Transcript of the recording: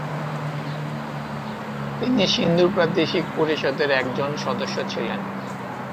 তিনি সিন্ধু প্রাদেশিক পরিষদের একজন সদস্য ছিলেন।